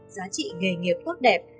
giá trị nghề nghiệp tốt đẹp